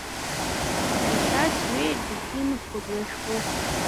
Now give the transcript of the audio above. Иахьа сҩеиргьы, имсхуеит уи ашәҟәы.